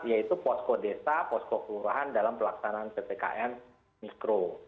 yaitu posko desa posko kelurahan dalam pelaksanaan ppkm mikro